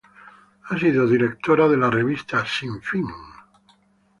Ha sido directora de la Revista "Sinfín".